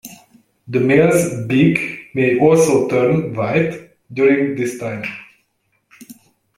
The male's beak may also turn white during this time.